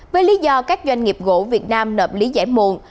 với lý do các doanh nghiệp gỗ việt nam nợp lý giải muộn